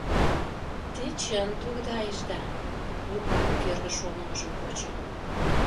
— Те чын тогдайышда, — Лукат кӧргӧ шонымыжым почо.